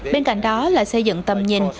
bên cạnh đó là xây dựng tầm nhìn